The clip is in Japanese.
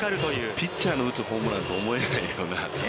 ピッチャーの打つホームランと思えないような。